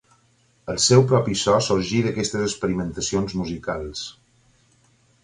El seu propi so sorgí d'aquestes experimentacions musicals.